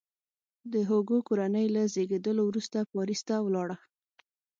د هوګو کورنۍ له زیږېدلو وروسته پاریس ته ولاړه.